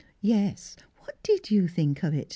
"Yes, what did you think of it?''